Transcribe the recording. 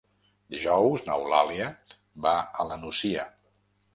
Dijous n'Eulàlia va a la Nucia.